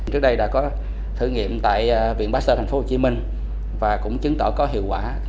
trước đây đã có thử nghiệm tại viện baxter tp hcm và cũng chứng tỏ có hiệu quả